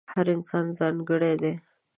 هر انسان ځانګړی دی.